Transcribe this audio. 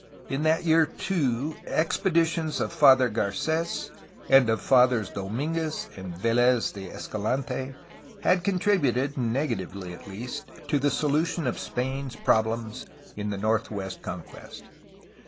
In that year, too, expeditions of Father Garces and of Fathers Domfnguez and V^lez de Escalante had contributed, negatively at least, to the solution of Spain's problems in northwestward con quest.